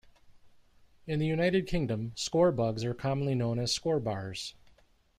In the United Kingdom, score bugs are commonly known as scorebars.